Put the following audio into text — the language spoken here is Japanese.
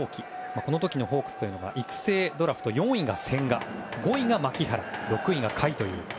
この時のホークスは育成ドラフト４位が千賀５位が牧原、６位が甲斐。